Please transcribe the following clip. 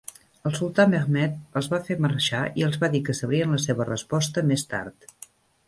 El sultà Mehmed els va fer marxar i els va dir que sabrien la seva resposta més tard.